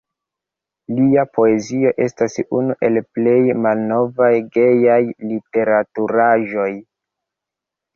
Lia poezio estas unu el plej malnovaj gejaj literaturaĵoj.